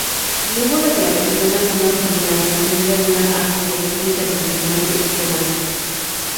No hubo declaración alguna sobre la creación de una asociación internacional de Esperanto.